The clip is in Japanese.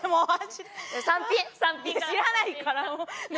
いや知らないから。